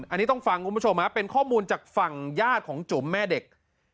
อันนี้ต้องฟังคุณผู้ชมเป็นข้อมูลจากฝั่งญาติของจุ๋มแม่เด็ก